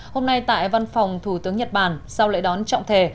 hôm nay tại văn phòng thủ tướng nhật bản sau lễ đón trọng thể